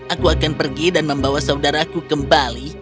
aku akan pergi dan membawa saudaraku kembali